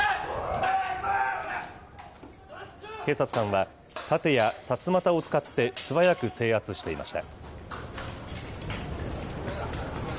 警察官は、盾やさすまたを使って、素早く制圧していました。